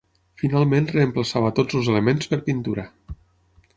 Finalment reemplaçava tots els elements per pintura.